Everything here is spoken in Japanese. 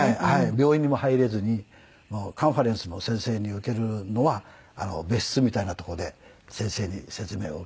病院にも入れずにカンファレンスも先生に受けるのは別室みたいなとこで先生に説明を受けて。